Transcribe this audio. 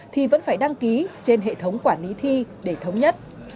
thì vẫn phải đăng ký trên hệ thống quản lý thi để thống nhất